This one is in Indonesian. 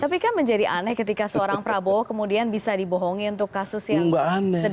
tapi kan menjadi aneh ketika seorang prabowo kemudian bisa dibohongi untuk kasus yang sederhana